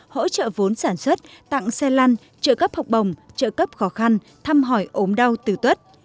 hỗ trợ vốn sản xuất tặng xe lăn trợ cấp học bổng trợ cấp khó khăn thăm hỏi ốm đau tử tuất